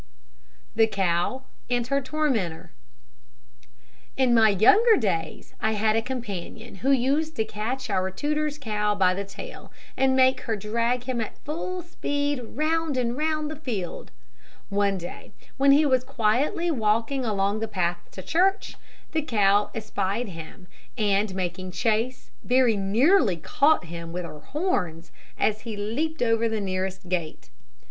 THE COW AND HER TORMENTOR. In my younger days, I had a companion who used to catch our tutor's cow by the tail, and make her drag him at full speed round and round the field. One day, when he was quietly walking along the path to church, the cow espied him, and making chase, very nearly caught him with her horns as he leaped over the nearest gate.